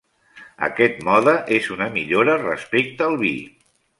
Aquest mode és una millora respecte al vi.